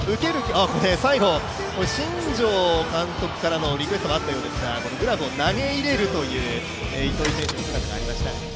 最後、新庄監督からのリクエストもあったようですがグラブを投げ入れるという糸井選手の姿がありました。